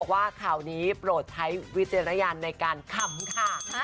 บอกว่าคราวนี้โปรดใช้วิทยาลายันในการขำค่ะ